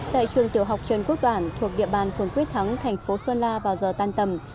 tại trường tiểu học trần quốc toản thuộc địa bàn phường quyết thắng thành phố sơn la vào giờ tan tầm